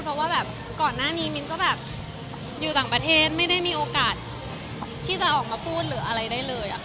เพราะว่าแบบก่อนหน้านี้มิ้นก็แบบอยู่ต่างประเทศไม่ได้มีโอกาสที่จะออกมาพูดหรืออะไรได้เลย